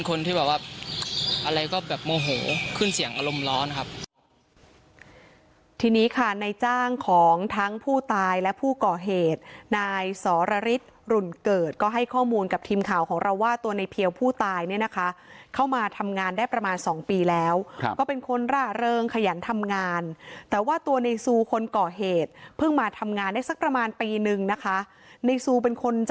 คนที่แบบว่าอะไรก็แบบโมโหขึ้นเสียงอารมณ์ร้อนครับทีนี้ค่ะในจ้างของทั้งผู้ตายและผู้ก่อเหตุนายสรริสหุ่นเกิดก็ให้ข้อมูลกับทีมข่าวของเราว่าตัวในเพียวผู้ตายเนี่ยนะคะเข้ามาทำงานได้ประมาณสองปีแล้วก็เป็นคนร่าเริงขยันทำงานแต่ว่าตัวในซูคนก่อเหตุเพิ่งมาทำงานได้สักประมาณปีนึงนะคะในซูเป็นคนจะ